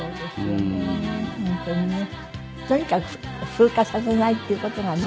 風化させないっていう事がね。